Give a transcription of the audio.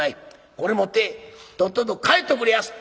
これ持ってとっとと帰っておくれやす」。